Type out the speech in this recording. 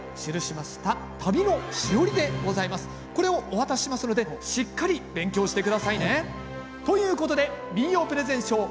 これをお渡ししますのでしっかり勉強して下さいね。ということで民謡プレゼンショー